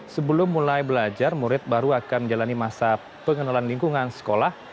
sebelum mulai belajar murid baru akan menjalani masa pengenalan lingkungan sekolah